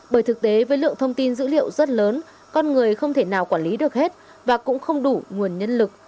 bởi thực tế với lượng thông tin dữ liệu rất lớn con người không thể nào quản lý được hết và cũng không đủ nguồn nhân lực